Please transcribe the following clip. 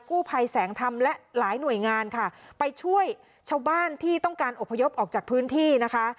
ภัยแสงธรรมและหลายหน่วยงานค่ะไปช่วยชาวบ้านที่ต้องการอบพยพออกจากพื้นที่นะคะ